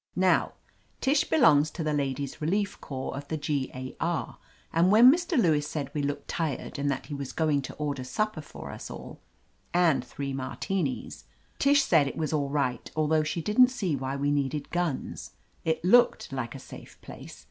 Now, Tish belongs to the Ladies' Relief Corps of the G. A. R., and when Mr. Lewis said we looked tired and that he was going to order supper for us all, and three Martinis, Tish said it was all right, although she didn't see why we needed guns. It looked like a safe place.